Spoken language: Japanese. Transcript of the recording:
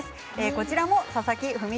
こちらも佐々木ふみ